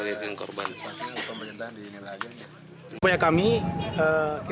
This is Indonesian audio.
demikian itu betul desain awan bulan ini